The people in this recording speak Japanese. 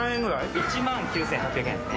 １万９８００円ですね。